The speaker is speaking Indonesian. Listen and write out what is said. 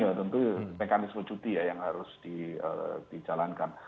ya tentu mekanisme cuti ya yang harus dijalankan